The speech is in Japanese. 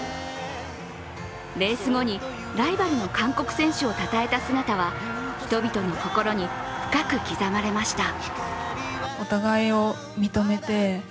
レース後にライバルの韓国選手をたたえた姿は人々の心に深く刻まれました。